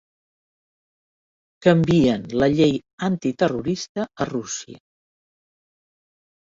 Canvien la llei antiterrorista a Rússia